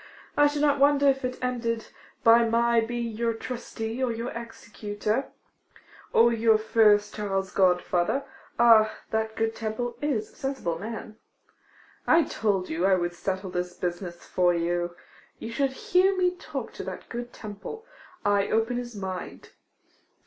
I should not wonder if it ended by my being your trustee, or your executor, or your first child's godfather. Ah, that good Temple is a sensible man. I told you I would settle this business for you. You should hear me talk to that good Temple. I open his mind.